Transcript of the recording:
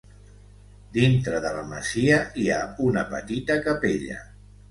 Dintre de la masia hi ha una petita capella.